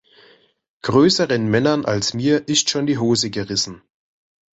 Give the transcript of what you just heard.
Größeren Männern als mir ist schon die Hose gerissen.